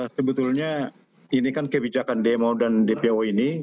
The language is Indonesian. sebetulnya ini kan kebijakan demo dan dpo ini